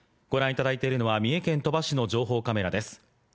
ご覧いただいているのは三重県鳥羽市の情報カメラです。